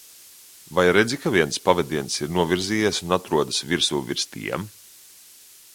Vai redzi ka viens pavediens ir novirzījies un atrodas virsū virs tiem?